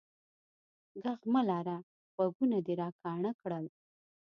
ږغ مه لره، غوږونه دي را کاڼه کړل.